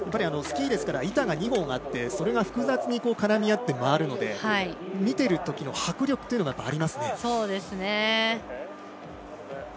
スキーですから板が２本あってそれが複雑に絡み合って回るので見てるときの迫力というのがありますね。